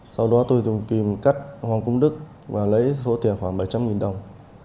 sau đó tôi dùng kìm cắt hoàng cung đức và lấy số tiền khoảng bảy trăm linh đồng